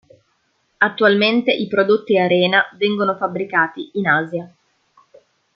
Attualmente i prodotti Arena vengono fabbricati in Asia.